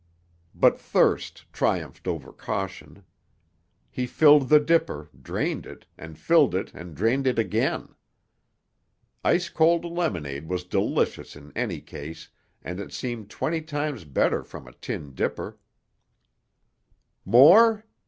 But thirst triumphed over caution. He filled the dipper, drained it, and filled it and drained it again. Ice cold lemonade was delicious in any case and it seemed twenty times better from a tin dipper. "More?"